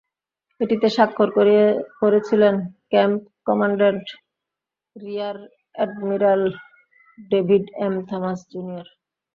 এটিতে স্বাক্ষর করেছিলেন camp commandant rear admiral David M Thomas junior.